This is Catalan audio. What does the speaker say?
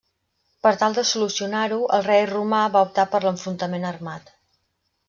Per tal de solucionar-ho, el rei romà va optar per l'enfrontament armat.